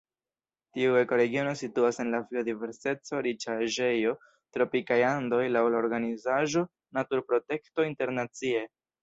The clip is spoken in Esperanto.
Tiu ekoregiono situas en la biodiverseco-riĉaĵejo Tropikaj Andoj laŭ la organizaĵo Naturprotekto Internacie.